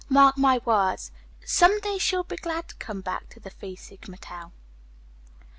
Mark my words, some day she'll be glad to come back to the Phi Sigma Tau."